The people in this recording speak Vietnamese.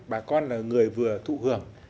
bà con là người vừa thụ hưởng